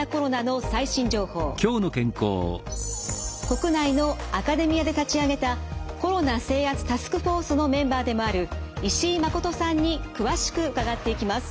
国内のアカデミアで立ち上げたコロナ制圧タスクフォースのメンバーでもある石井誠さんに詳しく伺っていきます。